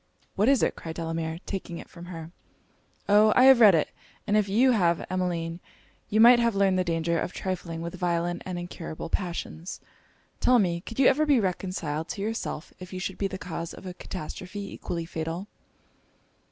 'What is it?' cried Delamere, taking it from her. 'O, I have read it and if you have, Emmeline, you might have learned the danger of trifling with violent and incurable passions. Tell me could you ever be reconciled to yourself if you should be the cause of a catastrophe equally fatal?'